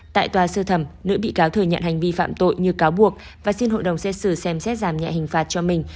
tại tòa sơ thẩm nữ bị cáo thừa nhận hành vi phạm tội như cáo buộc và xin hội đồng xét xử xem xét giảm nhẹ hình phạt cho mình